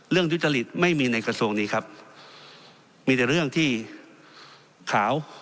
ทุจริตไม่มีในกระทรวงนี้ครับมีแต่เรื่องที่ขาว